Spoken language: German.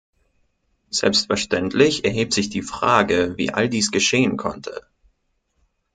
Selbstverständlich erhebt sich die Frage, wie all dies geschehen konnte.